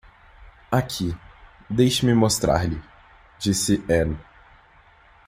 "Aqui, deixe-me mostrar-lhe", disse Ann.